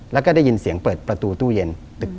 แล้วก็ได้ยินเสียงเปิดประตูตู้เย็น